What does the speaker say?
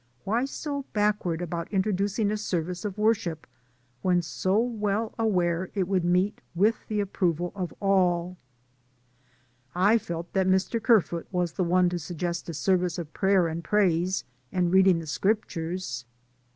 Why so backward about introdu cing a service of worship, when so well aware it would meet with the approval of all? I felt that Mr. Kerfoot was the one to sug gest a service of prayer and praise, and read ing the Scriptures.